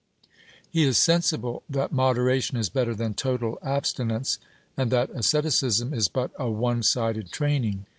He is sensible that moderation is better than total abstinence, and that asceticism is but a one sided training.